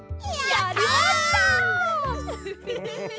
やりました！